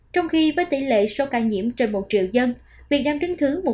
trong khi với tỷ lệ số ca nhiễm trên một triệu dân việt nam đứng thứ một